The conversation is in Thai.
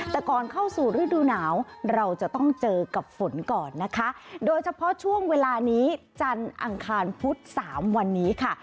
แต่ก่อนเข้าสู่ฤดูหนาวเราจะต้องเจอกับฝนก่อนนะคะโดยเฉพาะช่วงเวลานี้จันทร์อังคารพุธสามวันนี้ค่ะ